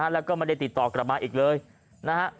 แล้วก็ไม่ได้ติดต่อกลับมาอีกเลยนะฮะ